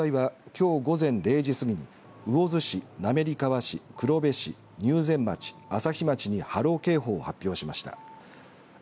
気象台は、きょう午前０時過ぎに魚津市、滑川市、黒部市入善町、朝日町に波浪警報を発表しました。